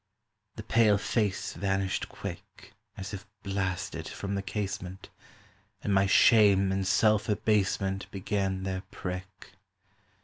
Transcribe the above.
The pale face vanished quick, As if blasted, from the casement, And my shame and self abasement Began their prick.